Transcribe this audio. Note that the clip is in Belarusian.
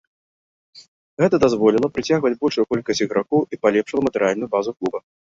Гэта дазволіла прыцягваць большую колькасць ігракоў і палепшыла матэрыяльную базу клуба.